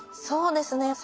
そうですね。